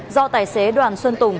do tài xế đoàn xuân tùng